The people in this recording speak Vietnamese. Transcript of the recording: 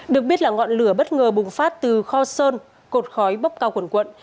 được biết là ngọn lửa bất ngờ bùng phát từ kho sơn cột khói bốc cao quần quận